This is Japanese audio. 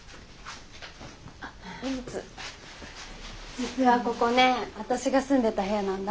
実はここね私が住んでた部屋なんだ。